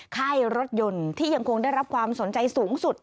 ค่ายรถยนต์ที่ยังคงได้รับความสนใจสูงสุด